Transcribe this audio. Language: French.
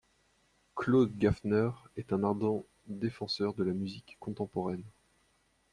Claude Gafner est un ardent défenseur de la musique contemporaine.